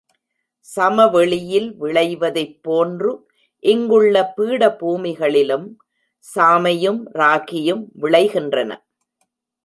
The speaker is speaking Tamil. சமவெளியில் விளைவதைப் போன்று இங்குள்ள பீடபூமிகளிலும் சாமையும், ராகியும் விளைகின்றன.